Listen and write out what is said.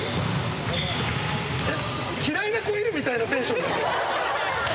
嫌いな子がいるみたいなテンション。